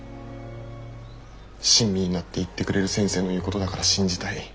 親身になって言ってくれる先生の言うことだから信じたい。